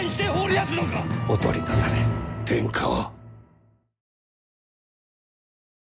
お取りなされ天下を。